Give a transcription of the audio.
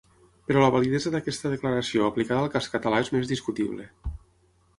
Però la validesa d’aquesta declaració aplicada al cas català és més discutible.